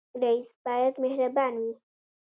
رئیس باید مهربان وي